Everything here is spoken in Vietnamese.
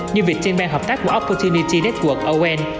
như việc trên ban hợp tác của opportunity network on